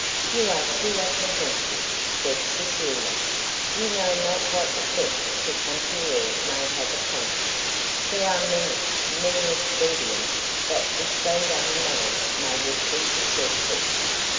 "You are too apprehensive," said Cecilia, "you know not what effect the country air may have upon him; there are many, many expedients that with so young a man may yet be successful."